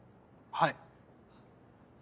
はい。